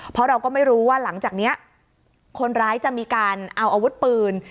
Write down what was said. เพราะเราก็ไม่รู้ว่าหลังจากนี้คนร้ายจะมีการเอาอาวุธปืน